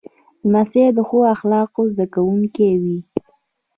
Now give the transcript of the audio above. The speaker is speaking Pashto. لمسی د ښو اخلاقو زده کوونکی وي.